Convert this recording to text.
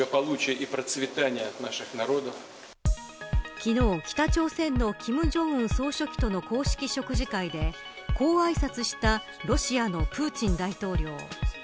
昨日、北朝鮮の金正恩総書記との公式食事会でこうあいさつしたロシアのプーチン大統領。